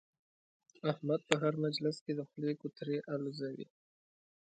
احمد په هر مجلس کې د خولې کوترې اولوزوي.